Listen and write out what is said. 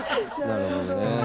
なるほどね。